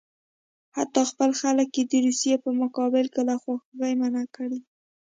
حتی خپل خلک یې د روسیې په مقابل کې له خواخوږۍ منع کړي.